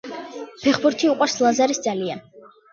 ფეხბურთი უყვარს ლაზარეს ძალიან